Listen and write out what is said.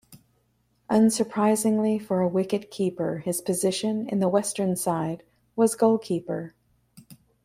Unsurprisingly for a wicket-keeper, his position in the Western side was goalkeeper.